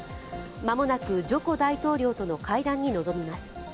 間もなくジョコ大統領との会談に臨みます。